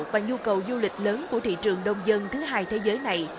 và nhu cầu du lịch lớn của thị trường đông dân thứ hai thế giới này